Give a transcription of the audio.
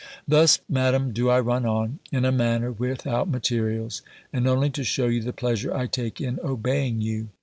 Thus, Madam, do I run on, in a manner, without materials; and only to shew you the pleasure I take in obeying you.